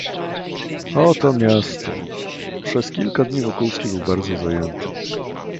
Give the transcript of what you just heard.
"Oto miasto!...“ Przez kilka dni Wokulski był bardzo zajęty."